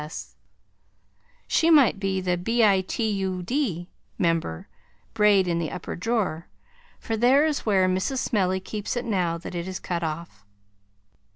S.S. She might be the B.I.T.U.D. member (Braid in the Upper Drawer), for there is where Mrs. Smellie keeps it now that it is cut off.